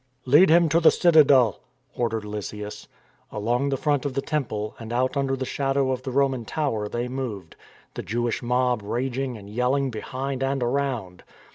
" Lead him to the citadel," ordered Lysias. Along the front of the Temple and out under the shadow of the Roman tower they moved; the Jewish mob raging and yelling behind and around.